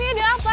ini ada apa